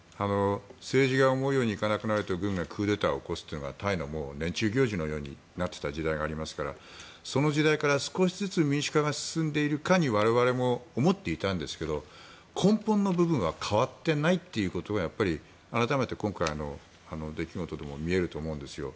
政治が思うようにいかなくなると軍がクーデターを起こすというのがタイの年中行事のようになっていた時代がありますからその時代から少しずつ民主化が進んでいるかに我々も思っていたんですが根本の部分は変わってないことがやっぱり改めて今回の出来事でも見えると思うんですよ。